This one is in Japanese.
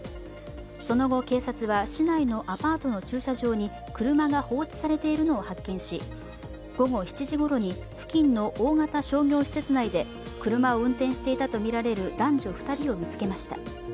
その後、警察は市内のアパートの駐車場に車が放置されているのを発見し、午後７時頃に付近の大型商業施設内で車を運転していたとみられる男女２人を見つけました。